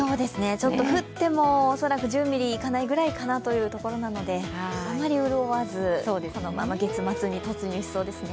降っても、恐らく１０ミリいかないくらいかなというところなのであんまり潤わず、このまま月末に突入しそうです。